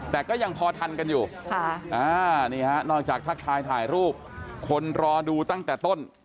แต่ก็ยังพอทันกันอยู่นี่ฮะนอกจากทักทายถ่ายรูปคนรอดูตั้งแต่ต้น